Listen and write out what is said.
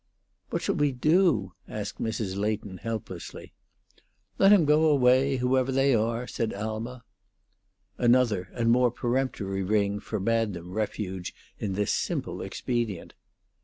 "What shall we do?" asked Mrs. Leighton, helplessly. "Let him go away whoever they are," said Alma. Another and more peremptory ring forbade them refuge in this simple expedient.